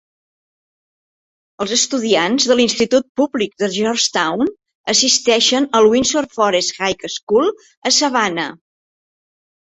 Els estudiants de l'institut públic de Georgetown assisteixen al Windsor Forest High School a Savannah.